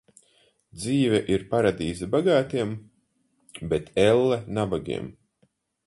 Dzīve ir paradīze bagātiem, bet elle nabagiem.